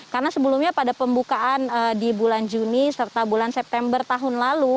karena sebelumnya pada pembukaan di bulan juni serta bulan september tahun lalu